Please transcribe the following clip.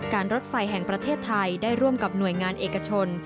รถไฟแห่งประเทศไทยได้ร่วมกับหน่วยงานเอกชน